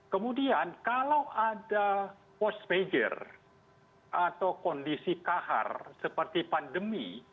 kemudian kalau ada post pager atau kondisi kahar seperti pandemi